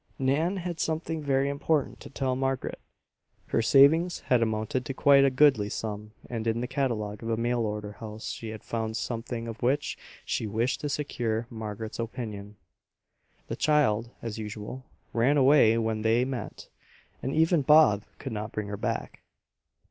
Nan had something very important to tell Margaret. Her savings had amounted to quite a goodly sum and in the catalog of a mail order house she had found something of which she wished to secure Margaret's opinion. The child, as usual, ran away when they met, and even Bob could not bring her back.